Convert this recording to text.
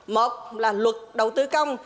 một là luật đầu tư công